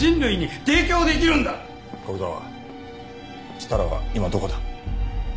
設楽は今どこだ？